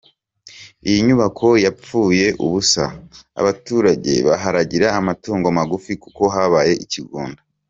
Iyi nyubako yapfuye ubusa, abaturage baharagira amatungo magufi kuko habaye ikigunda.